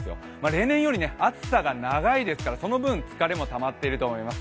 例年より暑さが長いですからその分、疲れもたまっていると思います。